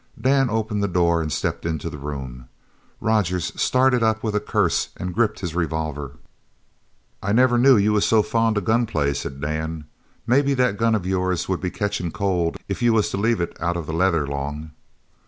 Dan opened the door and stepped into the room. Rogers started up with a curse and gripped his revolver. "I never knew you was so fond of gun play," said Dan. "Maybe that gun of yours would be catchin' cold if you was to leave it out of the leather long?"